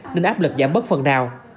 nên áp lực giảm bớt phần nào